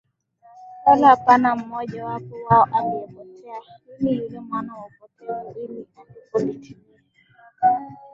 wala hapana mmoja wapo wao aliyepotea ila yule mwana wa upotevu ili andiko litimie